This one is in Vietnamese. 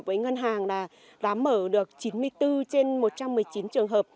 với ngân hàng là đã mở được chín mươi bốn trên một trăm một mươi chín trường hợp